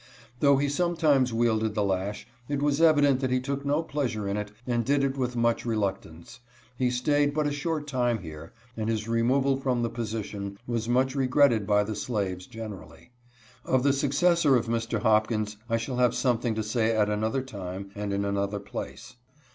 Though he sometimes wielded the lash, it was evident that he took no pleasure in it and did it with much reluctance. He stayed but a short time here, and his removal from the position was much regretted by the slaves gerierally. Of the successor of Mr. Hopkins I shall have something to say at another time and in another place.